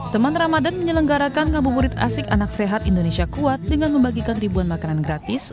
teman ramadan menyelenggarakan ngabuburit asik anak sehat indonesia kuat dengan membagikan ribuan makanan gratis